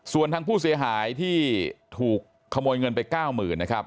ส่วนทางผู้เสียหายที่ถูกขโมยเงินไป๙๐๐๐นะครับ